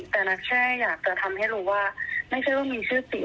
แต่นัทแค่อยากจะทำให้รู้ว่าไม่ใช่ว่ามีชื่อเสียง